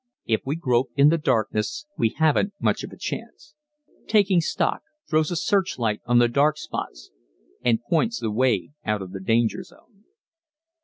If we grope in the darkness we haven't much of a chance. "Taking stock" throws a searchlight on the dark spots and points the way out of the danger zone.